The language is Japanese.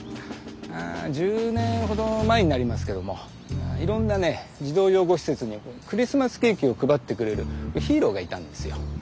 １０年ほど前になりますけどもいろんなね児童養護施設にクリスマスケーキを配ってくれるヒーローがいたんですよ。